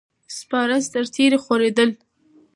سپاره سرتیري خورېدل.